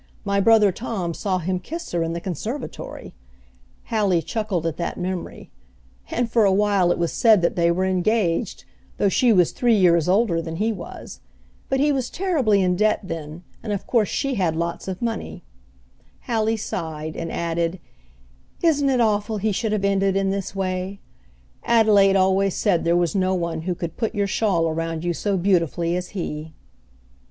My brother Tom saw him kiss her in the conservatory," Hallie chuckled at that memory, "and for a while it was said that they were engaged, though she was three years older than he was. But he was terribly in debt then, and of course she had lots of money." Hallie sighed, and added, "Isn't it awful he should have ended in this way? Adelaide always said there was no one who could put your shawl around you so beautifully as he."